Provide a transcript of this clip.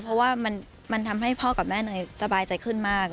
เพราะว่ามันทำให้พ่อกับแม่เนยสบายใจขึ้นมาก